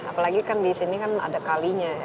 apalagi kan di sini kan ada kalinya ya